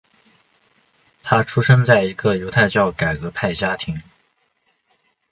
他出生在一个犹太教改革派家庭。